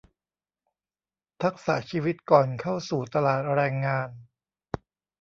ทักษะชีวิตก่อนเข้าสู่ตลาดแรงงาน